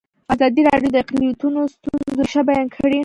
ازادي راډیو د اقلیتونه د ستونزو رېښه بیان کړې.